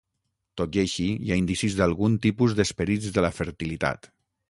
Tot i així, hi ha indicis d'algun tipus d'esperits de la fertilitat.